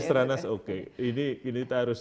seteranas oke ini kita harus